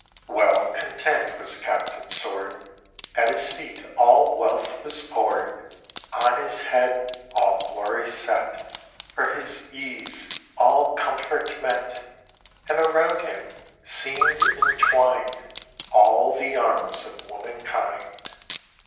] Well content was Captain Sword; At his feet all wealth was pour'd; On his head all glory set; For his ease all comfort met; And around him seem'd entwin'd All the arms of womankind.